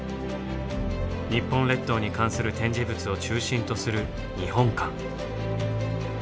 日本列島に関する展示物を中心とする日本館。